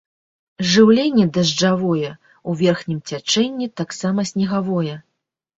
Жыўленне дажджавое, у верхнім цячэнні таксама снегавое.